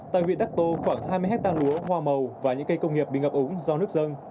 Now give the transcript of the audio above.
tại huyện đắc tô khoảng hai mươi hectare lúa hoa màu và những cây công nghiệp bị ngập ống do nước dân